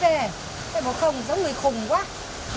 thấy bộ không giống người khùng quá